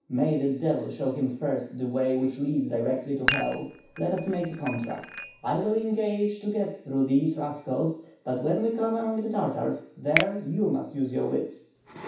May the devil show him first the way which leads directly to hell. Let us make a contract. I will engage to get through these rascals, but when we come among the Tartars, there, you must use your wits."